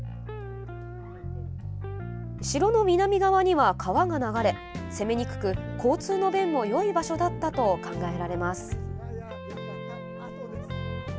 城の南側には川が流れ攻めにくく交通の便もよい場所だったと考えられます。